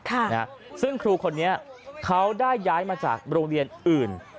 ค่ะนะซึ่งครูคนนี้เขาได้ย้ายมาจากโรงเรียนอื่น